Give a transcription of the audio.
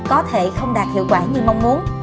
có thể không đạt hiệu quả như mong muốn